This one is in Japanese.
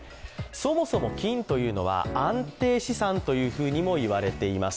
そもそも金というのは安定資産というふうにも言われています。